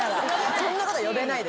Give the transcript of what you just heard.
そんなこと呼べないです。